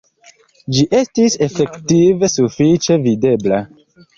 Ĝi estis efektive sufiĉe videbla.